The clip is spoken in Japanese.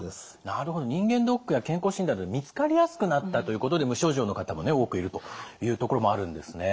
なるほど人間ドックや健康診断で見つかりやすくなったということで無症状の方も多くいるというところもあるんですね。